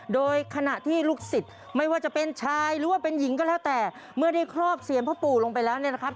โดยขณะที่ลูกศิษย์ไม่ว่าจะเป็นชายหรือว่าเป็นหญิงก็แล้วแต่เมื่อได้ครอบเสียงพ่อปู่ลงไปแล้วเนี่ยนะครับ